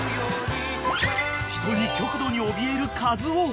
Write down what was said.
［人に極度におびえるかずお